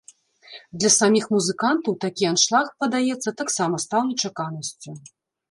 Для саміх музыкантаў такі аншлаг, падаецца, таксама стаў нечаканасцю.